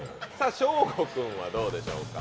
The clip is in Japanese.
ショーゴ君はどうでしょうか？